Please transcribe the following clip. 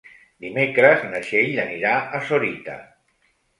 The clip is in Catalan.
Dimecres na Txell anirà a Sorita.